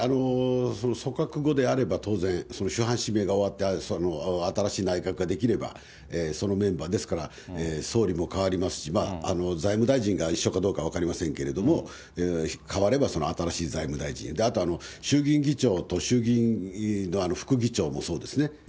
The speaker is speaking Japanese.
その組閣後であれば、当然、その首班指名が終わって、新しい内閣が出来れば、そのメンバー、ですから総理も代わりますし、財務大臣が一緒かどうか分かりませんけれども、代わればその新しい財務大臣、あと衆議院議長と衆議院の副議長もそうですね。